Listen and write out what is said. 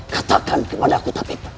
katakan kepadaku tapip